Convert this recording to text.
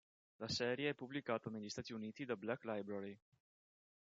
La serie è pubblicata negli Stati Uniti da Black Library.